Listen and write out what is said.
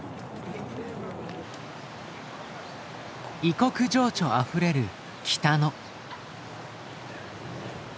異国情緒あふれる北野。